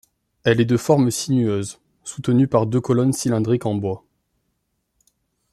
Elle est de forme sinueuse, soutenue par deux colonnes cylindriques en bois.